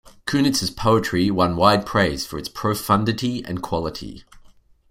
Kunitz's poetry won wide praise for its profundity and quality.